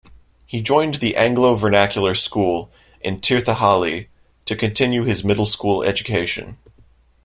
He joined the Anglo Vernacular school in Tirthahalli to continue his middle school education.